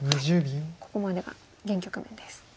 ここまでが現局面です。